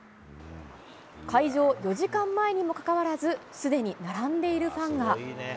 開場４時間前にもにもかかわらず、すでに並んでいるファンが。